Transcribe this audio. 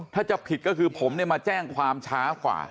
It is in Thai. ถ้าจะผิดก็คือผมมาแจ้งความช้ากว่า